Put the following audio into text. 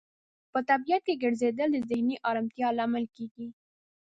په طبیعت کې ګرځیدل د ذهني آرامتیا لامل کیږي.